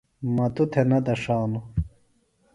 مہ توۡ تھےۡ نہ دڇھانوۡ۔